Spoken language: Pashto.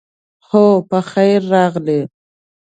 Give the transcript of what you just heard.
اوهو، پخیر راغلې.